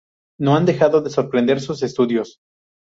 No han dejado de sorprender sus estudios.